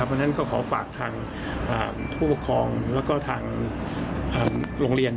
เพราะฉะนั้นก็ขอฝากทางผู้ปกครองแล้วก็ทางโรงเรียน